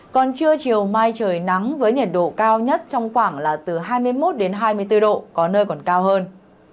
còn trưa chiều mai trời nắng với nhiệt độ cao nhất trong khoảng là từ hai mươi một đến hai mươi bốn độ có nơi còn cao hơn